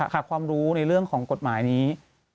ขาดความรู้ในเรื่องของกฎหมายนี้